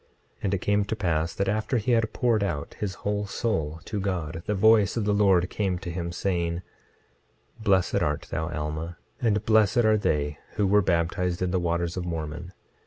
26:14 And it came to pass that after he had poured out his whole soul to God, the voice of the Lord came to him, saying: 26:15 Blessed art thou, Alma, and blessed are they who were baptized in the waters of Mormon.